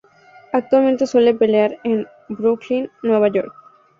Actualmente suele pelear en Brooklyn, Nueva York.